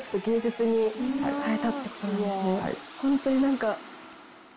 ホントに何か。